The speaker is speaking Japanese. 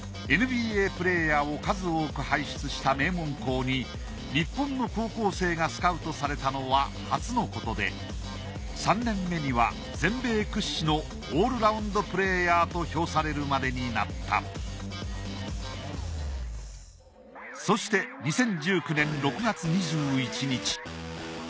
ＮＢＡプレーヤーを数多く輩出した名門校に日本の高校生がスカウトされたのは初のことで３年目には全米屈指のオールラウンドプレーヤーと評されるまでになったそして２０１９年６月２１日。